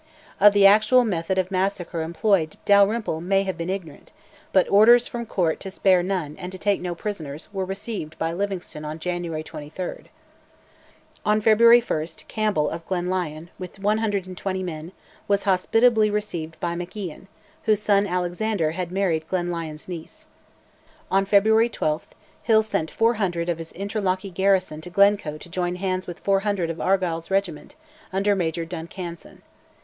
Of the actual method of massacre employed Dalrymple may have been ignorant; but orders "from Court" to "spare none," and to take no prisoners, were received by Livingstone on January 23. On February 1, Campbell of Glenlyon, with 120 men, was hospitably received by MacIan, whose son, Alexander, had married Glenlyon's niece. On February 12, Hill sent 400 of his Inverlochy garrison to Glencoe to join hands with 400 of Argyll's regiment, under Major Duncanson.